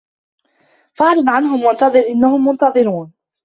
فَأَعرِض عَنهُم وَانتَظِر إِنَّهُم مُنتَظِرونَ